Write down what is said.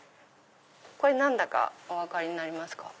これ何だかお分かりになりますか？